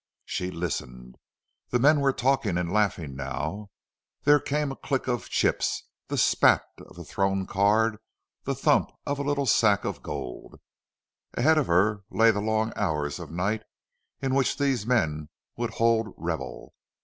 She listened. The men were talking and laughing now; there came a click of chips, the spat of a thrown card, the thump of a little sack of gold. Ahead of her lay the long hours of night in which these men would hold revel.